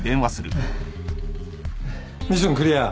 ミッションクリア。